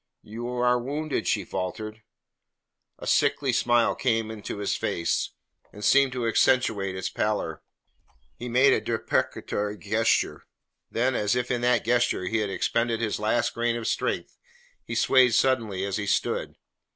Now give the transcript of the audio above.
"You are wounded?" she faltered. A sickly smile came into his face, and seemed to accentuate its pallor. He made a deprecatory gesture. Then, as if in that gesture he had expended his last grain of strength, he swayed suddenly as he stood.